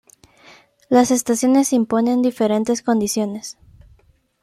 Las estaciones imponen diferentes condiciones.